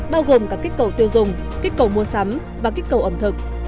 bao gồm cả kích cầu tiêu dùng kích cầu mua sắm và kích cầu ẩm thực